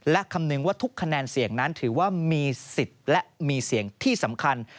และคำนึงว่าทุกคะแนนเสียงนั้นถือว่ามีสิทธิ์และมีเสียงที่สำคัญ